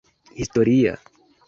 historia